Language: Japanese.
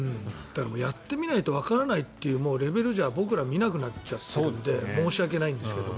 やってみないとわからないというレベルじゃ僕らは見なくなっちゃってるので申し訳ないですが。